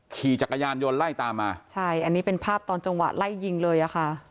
ขี่จักรยานยนต์ไล่ตามมาใช่อันนี้เป็นภาพตอนจังหวะไล่ยิงเลยอ่ะค่ะ